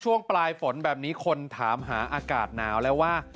ช่วงปลายฝนแบบนี้คนถามหาอากาศหนาวแล้วว่า